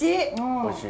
おいしい！